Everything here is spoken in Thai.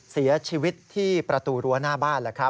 เสียชีวิตที่ประตูรั้วหน้าบ้าน